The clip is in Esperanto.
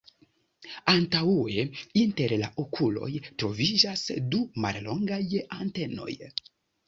Antaŭe inter la okuloj troviĝas du mallongaj antenoj.